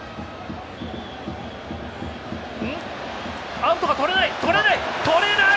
アウトが取れない！